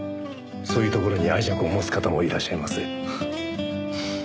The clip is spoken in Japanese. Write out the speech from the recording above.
そういうところに愛着を持つ方もいらっしゃいます。